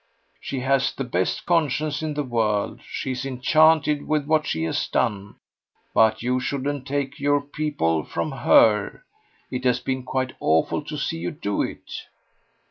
She has the best conscience in the world; she's enchanted with what she has done; but you shouldn't take your people from HER. It has been quite awful to see you do it."